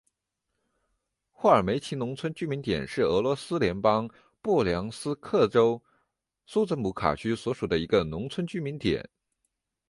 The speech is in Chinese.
霍尔梅奇农村居民点是俄罗斯联邦布良斯克州苏泽姆卡区所属的一个农村居民点。